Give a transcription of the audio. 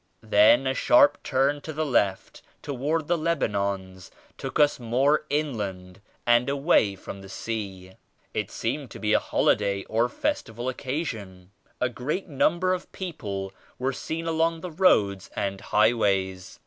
Then a sharp turn to the left toward the Lebanons took us more inland and away from the sea. It seemed to be a holiday or festival occasion; a great number of people were seen along the roads and highways.